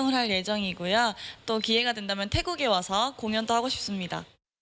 แล้วภาษา